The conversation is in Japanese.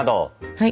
はい。